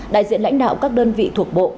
đại diện lãnh đạo các đơn vị thuộc bộ